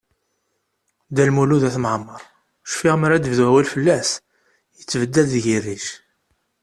Dda Lmud At Mɛemmeṛ, cfiɣ mi ara d-bdu awal fell-as, yettebdad deg-i rric.